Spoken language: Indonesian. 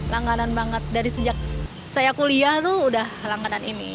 langganan banget dari sejak saya kuliah tuh udah langganan ini